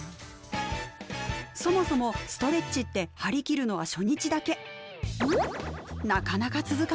そもそもストレッチって張り切るのは初日だけ。